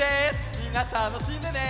みんなたのしんでね。